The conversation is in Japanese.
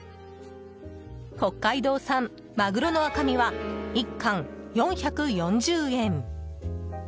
北海道産マグロの赤身は１貫４４０円。